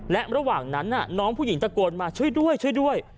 และระหว่างนั้นน้องผู้หญิงตะโกนมาช่วยด้วยช่วยด้วย